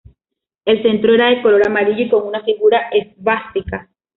El centro era de color amarillo y con una figura esvástica.